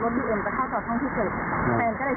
การเก็บเงินนะคะแฟนก็จะเข้าต่อรถรถบีเอ็มจะเข้าต่อท่องที่เจ็ด